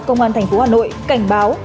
công an thành phố hà nội cảnh báo